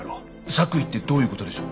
作為ってどういう事でしょう？